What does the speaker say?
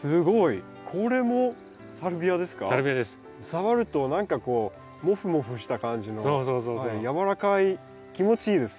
触ると何かこうもふもふした感じのやわらかい気持ちいいですね。